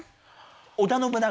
織田信長。